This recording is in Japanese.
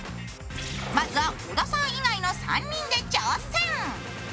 まずは小田さん以外の３人で挑戦。